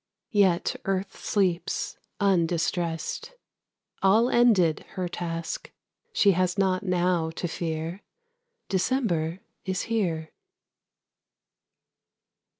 Yet Earth sleeps, undistressed. All ended her task, she has naught now to fear, December is here.